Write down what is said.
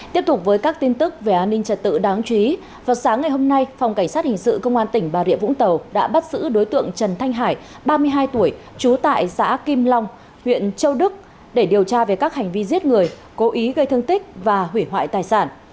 tiếp tục với các tin tức về an ninh trật tự đáng chú ý vào sáng ngày hôm nay phòng cảnh sát hình sự công an tỉnh bà rịa vũng tàu đã bắt giữ đối tượng trần thanh hải ba mươi hai tuổi trú tại xã kim long huyện châu đức để điều tra về các hành vi giết người cố ý gây thương tích và hủy hoại tài sản